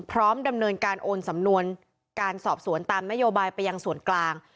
พร้อมดำเนินการโอนสำนวนการสอบสวนตามนโยบายไปยังส่วนกลาง